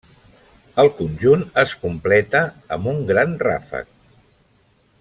El conjunt es completa amb un gran ràfec.